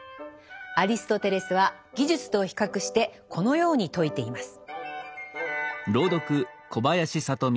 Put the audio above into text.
アリストテレスは技術と比較してこのように説いています。